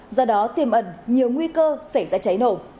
do đó tiềm ẩn nhiều nguy cơ xảy ra cháy nổ